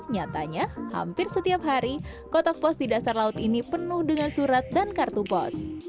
nyatanya hampir setiap hari kotak pos di dasar laut ini penuh dengan surat dan kartu pos